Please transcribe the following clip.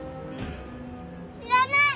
知らない！